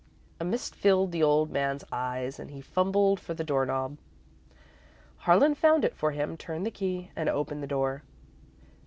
A mist filled the old man's eyes and he fumbled for the door knob. Harlan found it for him, turned the key, and opened the door.